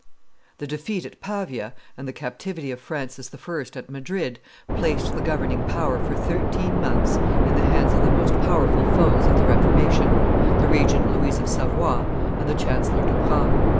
The defeat at Pavia and the captivity of Francis I. at Madrid placed the governing power for thirteen months in the hands of the most powerful foes of the Reformation, the regent Louise of Savoy and the chancellor Duprat.